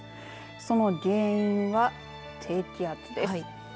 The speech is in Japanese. その原因は低気圧です。